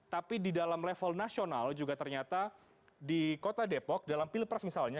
tapi di dalam level nasional juga ternyata di kota depok dalam pilpres misalnya